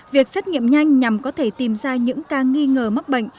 việc xét nghiệm nhanh nhằm có thể tìm ra những ca nghi ngờ mắc bệnh